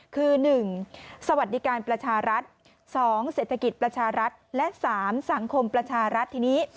คือ๑สวัสดิการประชารัฐ๒เศรษฐกิจประชารัฐและ๓สังคมประชารัฐทีนี้